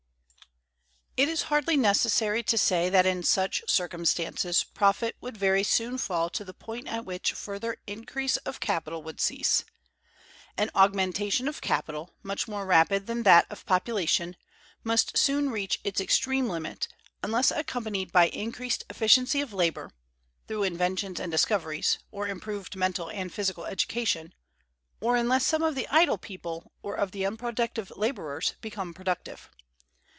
It is hardly necessary to say that in such circumstances profits would very soon fall to the point at which further increase of capital would cease. An augmentation of capital, much more rapid than that of population, must soon reach its extreme limit, unless accompanied by increased efficiency of labor (through inventions and discoveries, or improved mental and physical education), or unless some of the idle people, or of the unproductive laborers, became productive.